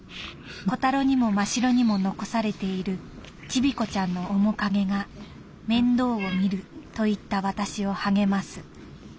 「コタロにもマシロにも残されているチビコちゃんの面影が面倒をみると言った私を励ます。